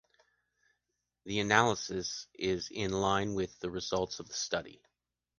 The analysis is in line with the results of the study.